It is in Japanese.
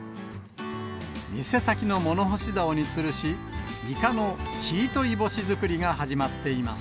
店先の物干しざおにつるし、イカの一日干し作りが始まっています。